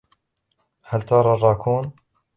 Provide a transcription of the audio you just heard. هل ترى الراكون ؟